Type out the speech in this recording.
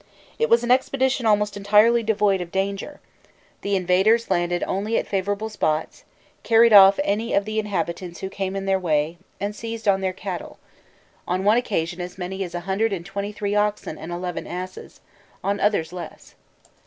It was an expedition almost entirely devoid of danger: the invaders landed only at favourable spots, carried off any of the inhabitants who came in their way, and seized on their cattle on one occasion as many as a hundred and twenty three oxen and eleven asses, on others less.